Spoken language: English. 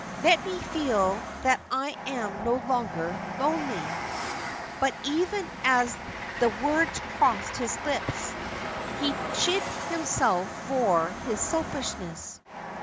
Let me feel that I am no longer lonely." But even as the words crossed his lips, he chid himself for his selfishness.